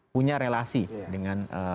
punya relasi dengan